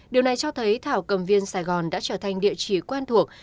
điều này cho thấy thảo cầm viên sài gòn đã trở thành địa chỉ quen thuộc